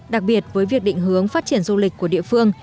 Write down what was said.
đặc biệt với việc định hướng phát triển du lịch của địa phương